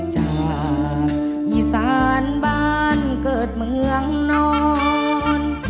จากอีสานบ้านเกิดเมืองนอน